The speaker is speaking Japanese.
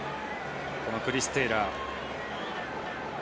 このクリス・テイラー。